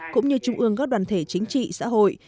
cũng như trung ương các đoàn thể chính trị xã hội